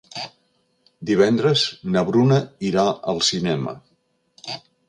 Divendres na Bruna irà al cinema.